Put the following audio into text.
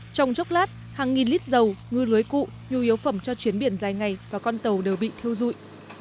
trong chốc lát hàng nghìn lít dầu ngư lưới cụ nhu yếu phẩm cho chuyến biển dài ngày và con tàu đều bị thiêu dụi